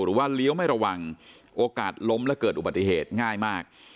หรือว่าเลี้ยวไม่ระวังโอกาสล้มและเกิดอุบัติเหตุง่ายมาก